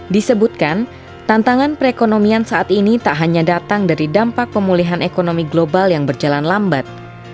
disebutkan tantangan perekonomian saat ini tak hanya datang dari dampak pemulihan ekonomi global yang berjalan lambat